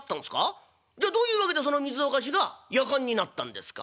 じゃあどういう訳でその水沸かしがやかんになったんですか？」。